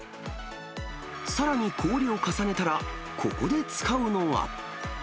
さらに氷を重ねたら、ここで使うのは。